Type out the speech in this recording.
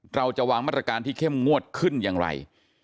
เราจะวางมาตรการที่เข้มงวดขึ้นอย่างไร